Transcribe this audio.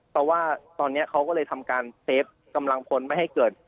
เพราะว่าตอนนี้เขาก็เลยทำการเซฟกำลังพลไม่ให้เกิด